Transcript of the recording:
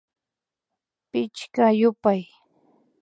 Pichka yupay